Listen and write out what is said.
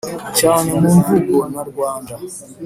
cyane mu mvugo na rwanda!